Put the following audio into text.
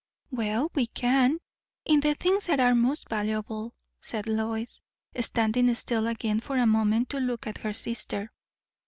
"Well, we can, in the things that are most valuable," said Lois, standing still again for a moment to look at her sister.